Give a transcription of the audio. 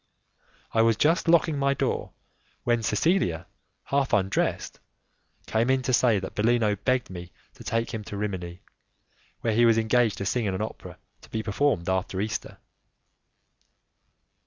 I was just locking my door when Cecilia, half undressed, came in to say that Bellino begged me to take him to Rimini, where he was engaged to sing in an opera to be performed after Easter.